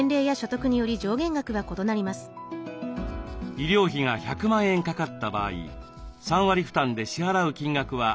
医療費が１００万円かかった場合３割負担で支払う金額は３０万円。